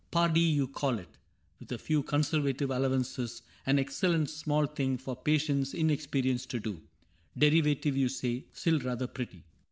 Pardee ! You call it, with a few conservative Allowances, an excellent small thing For patient inexperience to do : Derivative, you say, — still rather pretty.